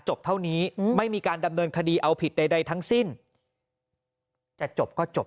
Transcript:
เท่านี้ไม่มีการดำเนินคดีเอาผิดใดทั้งสิ้นจะจบก็จบ